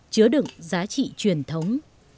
chứa đựng giá trị truyền thống